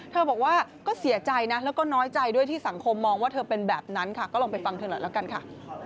บอกว่าก็เสียใจนะแล้วก็น้อยใจด้วยที่สังคมมองว่าเธอเป็นแบบนั้นค่ะก็ลองไปฟังเธอหน่อยแล้วกันค่ะ